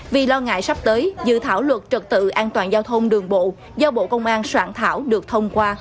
vì lo ngại sắp tới dự thảo luật trật tự an toàn giao thông đường bộ do bộ công an soạn thảo được thông qua